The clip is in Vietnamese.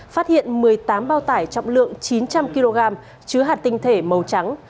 phát hiện một mươi tám bao tải trọng lượng chín trăm linh kg chứa hạt tinh thể màu trắng